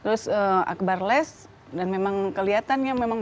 terus akbar les sejauh ini aku ketemu ya aku ketemu biasanya ya aku ketemu awal gue